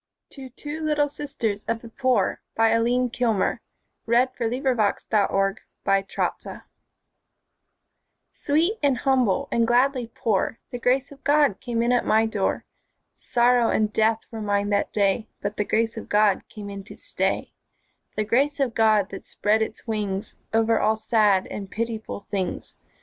y old lady, Lavender haunted and hollyhock gay. Aline Kilmer Two Little Sisters of the Poor SWEET and humble and gladly poor, The Grace of God came in at my door. Sorrow and death were mine that day, But the Grace of God came in to stay; The Grace of God that spread its wings Over all sad and pitiful things.